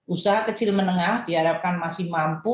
usaha kecil menengah diharapkan masih mampu